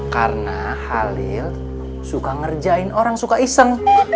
karena halil suka ngerjain orang suka iseng